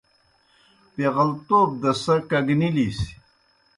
پیغلتوب دہ سہ کگنِلِس۔